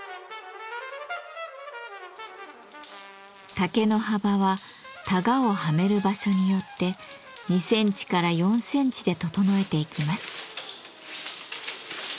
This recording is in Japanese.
竹の幅はたがをはめる場所によって２センチから４センチで整えていきます。